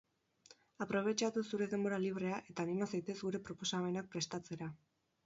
Aprobetxatu zure denbora librea eta anima zaitez gure proposamenak prestatzera!